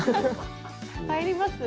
入ります？